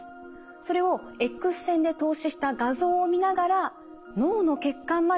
それをＸ線で透視した画像を見ながら脳の血管まで送り込みます。